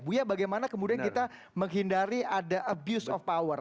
buya bagaimana kemudian kita menghindari ada abuse of power